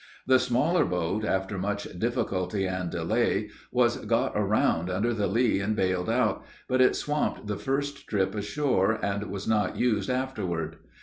The smaller boat, after much difficulty and delay, was got around under the lee and bailed out, but it swamped the first trip ashore, and was not used afterward.